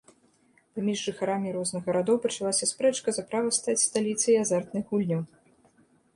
Паміж жыхарамі розных гарадоў пачалася спрэчка за права стаць сталіцай азартных гульняў.